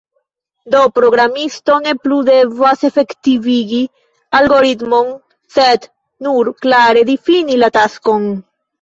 Do, programisto ne plu devas efektivigi algoritmon, sed nur klare difini la taskon.